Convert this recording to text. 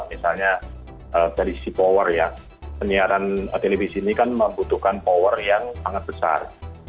misalnya dari sisi power ya penyiaran televisi ini kan membutuhkan power yang sangat besar